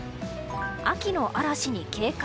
秋の嵐に警戒。